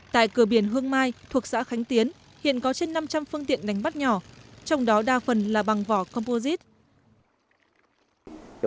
tại cửa biển hương mai thuộc xã khánh tiến hiện có trên năm trăm linh phương tiện đánh bắt nhỏ trong đó đa phần là bằng vỏ composite